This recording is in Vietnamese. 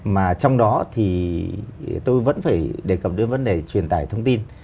mà trong đó thì tôi vẫn phải đề cập đến vấn đề truyền tải thông tin